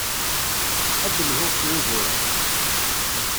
Ad d-lhuɣ s wugur-a.